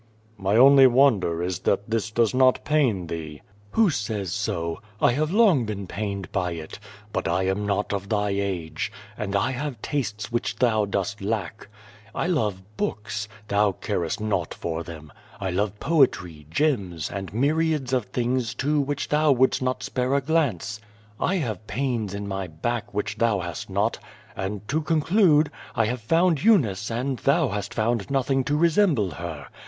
"My only wonder is that this docs not pain thee." "Who says so? I have long been pained by it. But I am not of thy age. And I have tastes which thou dost lack. [ love books. Thou carest naught for them. I love poetry, gems and myriads of things to which thou wouldst not spare a glance; I have pains in my back, which thou hast not: and to conclude, I have found Eunice and thou hast found nothin;^ to resemble her.